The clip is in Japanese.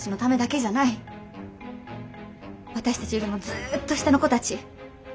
私たちよりもずっと下の子たち